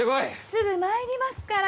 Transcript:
すぐ参りますから。